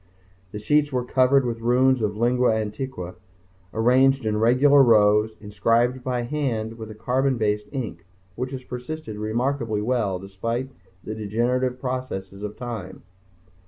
The sheets were covered with runes of lingua antiqua arranged in regular rows, inscribed by hand with a carbon based ink which has persisted remarkably well despite the degenerative processes of time.